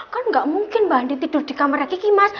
kan gak mungkin mba andien tidur di kamarnya kiki mas